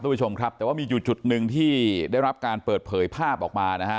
ผู้ชมครับแต่ว่ามีอยู่จุดหนึ่งที่ได้รับการเปิดเผยภาพออกมานะฮะ